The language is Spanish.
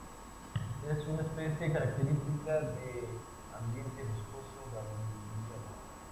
Es una especie característica del ambiente boscoso valdiviano.